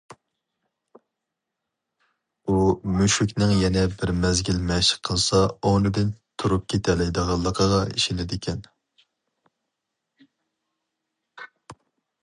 ئۇ مۈشۈكنىڭ يەنە بىر مەزگىل مەشىق قىلسا ئورنىدىن تۇرۇپ كېتەلەيدىغانلىقىغا ئىشىنىدىكەن.